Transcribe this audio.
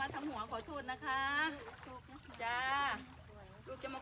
ราชาจริง